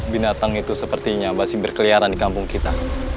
binatang itu sepertinya masih berkeliaran di kampung kita